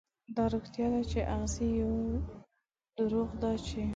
دا رښتيا ده، چې اغزي يو، دروغ دا چې